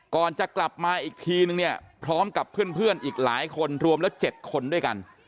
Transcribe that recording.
ก่อนจะกลับมาอีกทีนึงเนี่ยพร้อมกับเพื่อนอีกหลายคนรวมแล้ว๗คนด้วยกัน